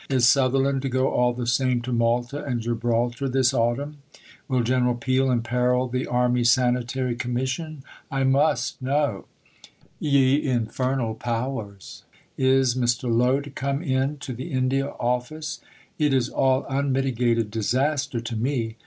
Is Sutherland to go all the same to Malta and Gibraltar this autumn? Will Gen. Peel imperil the Army Sanitary Commission? I must know: ye Infernal Powers! Is Mr. Lowe to come in to the India Office? It is all unmitigated disaster to me.